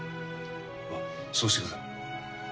はそうしてください。